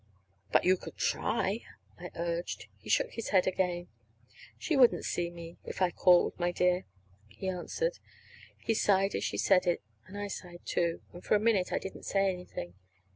"But you could try," I urged. He shook his head again. "She wouldn't see me if I called, my dear," he answered. He sighed as he said it, and I sighed, too. And for a minute I didn't say anything.